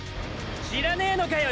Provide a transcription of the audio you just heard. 知らねぇのかよ